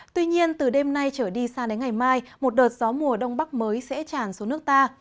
tuy nhiên từ đêm nay trở đi sang đến ngày mai một đợt gió mùa đông bắc mới sẽ tràn xuống nước ta